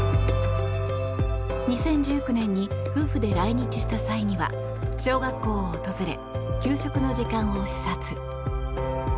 ２０１９年に夫婦で来日した際には小学校を訪れ給食の時間を視察。